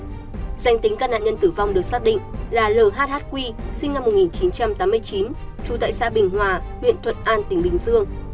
danh tính các nạn nhân tử vong được xác định là lhq sinh năm một nghìn chín trăm tám mươi chín trú tại xã bình hòa huyện thuận an tỉnh bình dương